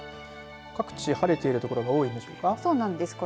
各地晴れている所が多いんでしょうか。